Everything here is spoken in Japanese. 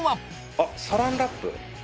あっサランラップ？